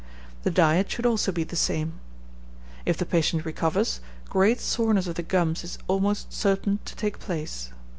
The diet should also be the same. If the patient recovers, great soreness of the gums is almost certain to take place.